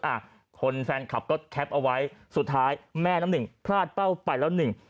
อ่ะคนแฟนคลับก็แคปเอาไว้สุดท้ายแม่น้ำหนึ่งพลาดเป้าไปแล้วหนึ่ง